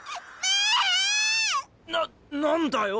な何だよ？